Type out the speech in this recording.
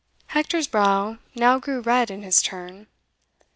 Hector's brow now grew red in his turn.